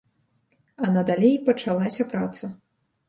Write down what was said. А надалей пачалася праца.